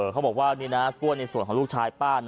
เขาบอกว่านี่นะกล้วยในส่วนของลูกชายป้า